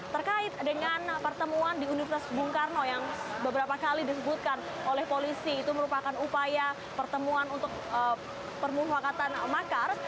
terkait dengan pertemuan di universitas bung karno yang beberapa kali disebutkan oleh polisi itu merupakan upaya pertemuan untuk permufakatan makar